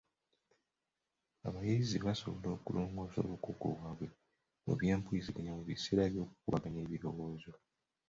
Abayizi basobola okulongoosa obukugu bwabwe mu by'empuliziganya mu biseera by'okukubaganya ebirowoozo.